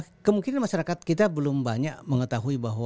ya kemungkinan masyarakat kita belum banyak mengetahui bahwa